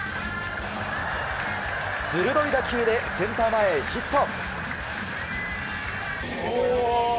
鋭い打球でセンター前へヒット。